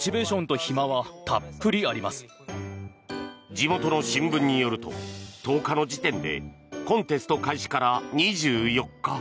地元の新聞によると１０日の時点でコンテスト開始から２４日。